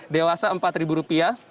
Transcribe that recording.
dewasa empat ribu rupiah